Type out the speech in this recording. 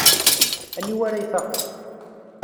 Aniwa ara ifaqen?